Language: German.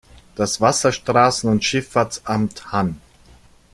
Das Wasserstraßen- und Schifffahrtsamt Hann.